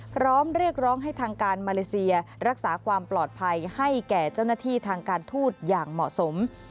พร้อมเรียกร้องให้ทางการมาเลเซียรักษาความปลอดภัยให้แก่เจ้าหน้าที่ทางการทูตอย่างเหมาะสม